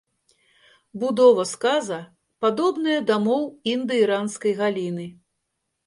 Будова сказа падобная да моў індаіранскай галіны.